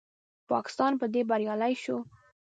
پاکستان په دې بریالی شو